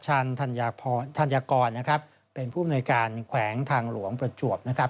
ชันธรรยากรธรรยากรนะครับเป็นผู้บรรยาการแขวงทางหลวงประจวบนะครับ